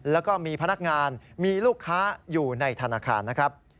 แล้วก็มีพนักงานมีลูกค้าอยู่ในธนาคารนะครับ